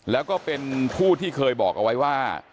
แล้วก็เป็นผู้ที่เคยบอกเอาไว้ว่า